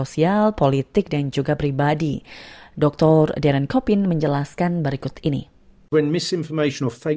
dan polisi publik mulai menyebabkan atituden orang